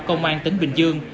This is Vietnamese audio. công an tỉnh bình dương